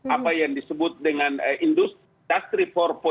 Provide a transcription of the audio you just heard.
apa yang disebut dengan industri empat